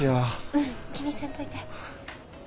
うん気にせんといて。